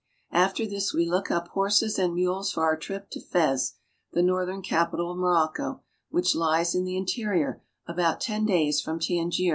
After this we look up horses and mules for our trip to Fez, the northern capital of Morocco, which lies in the in terior about ten days from Tangier.